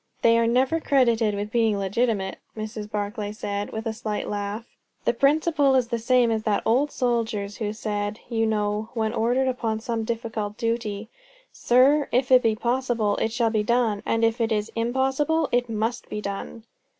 "They are never credited with being legitimate," Mrs. Barclay said, with a slight laugh. "The principle is the same as that old soldier's who said, you know, when ordered upon some difficult duty, 'Sir, if it is possible, it shall be done; and if it is impossible, it must be done!'"